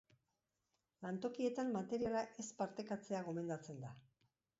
Lantokietan materiala ez partekatzea gomendatzen da.